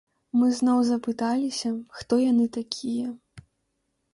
Мы зноў запыталіся, хто яны такія.